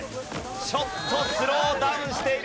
ちょっとスローダウンしている。